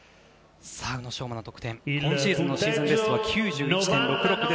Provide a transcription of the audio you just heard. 宇野昌磨の得点、今シーズンのシーズンベストは９１．６６。